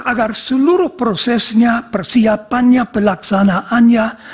agar seluruh prosesnya persiapannya pelaksanaannya